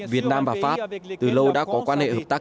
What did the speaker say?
việt nam và pháp từ lâu đã có quan hệ hợp tác